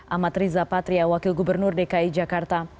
amat riza patria wakil gubernur dki jakarta